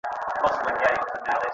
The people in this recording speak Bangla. প্রায় পঞ্চাশ-ষাট জন লোক খাইত।